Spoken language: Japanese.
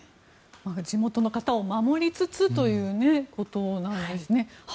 地元の方を守りつつということなんですね。